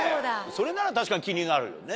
それなら確かに気になるよね。